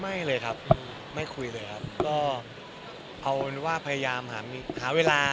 ไม่เลยครับไม่คุยเลยครับก็เอาเป็นว่าพยายามหาเวลา